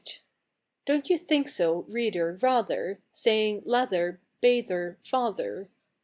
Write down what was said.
Don't you think so, reader, rather, Saying lather, bather, father?